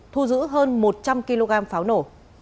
thu giữ hơn một trăm linh kg pháo nổ